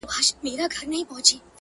نور د سپي امتیاز نه سمه منلای!!